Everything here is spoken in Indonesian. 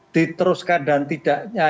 diteruskan dan tidak nyatakan